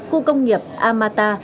khu công nghiệp amata